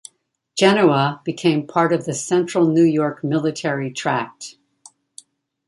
Genoa became part of the Central New York Military Tract.